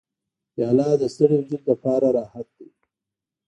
پیاله د ستړي وجود لپاره راحت دی.